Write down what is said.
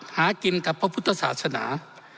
หากินกับพระพุทธศาสนา